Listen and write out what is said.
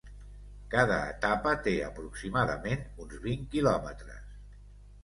Cada etapa té aproximadament uns vint quilòmetres.